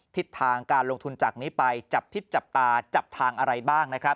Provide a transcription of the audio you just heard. ทิศทางการลงทุนจากนี้ไปจับทิศจับตาจับทางอะไรบ้างนะครับ